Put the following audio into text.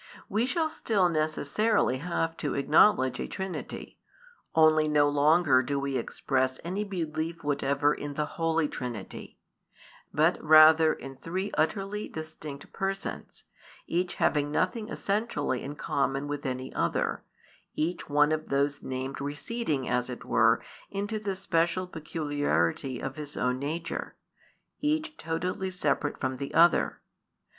We shall still necessarily have to acknowledge a Trinity: only no longer do we express any belief whatever in the Holy Trinity, but rather in three utterly distinct Persons, each having nothing essentially in common with any other, each one of those named receding as it were into the special peculiarity of His own nature, each totally separate from the other.